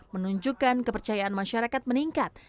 menunjukkan kepercayaan masyarakat meningkat